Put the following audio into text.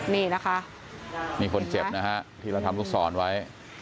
นี่นะคะนี่คนเจ็บนะฮะที่เราทำลูกศรไว้